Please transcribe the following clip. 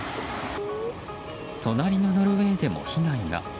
隣のノルウェーでも被害が。